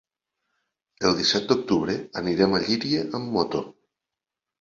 El disset d'octubre anirem a Llíria amb moto.